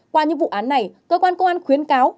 qua những vụ án này cơ quan công an khuyến cáo